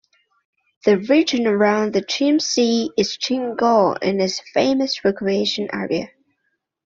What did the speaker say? The region around the Chiemsee is Chiemgau and is a famous recreation area.